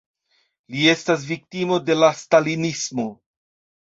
Li estas viktimo de la stalinismo.